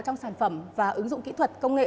trong sản phẩm và ứng dụng kỹ thuật công nghệ